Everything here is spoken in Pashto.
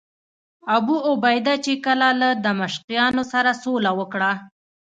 ابوعبیده چې کله له دمشقیانو سره سوله وکړه.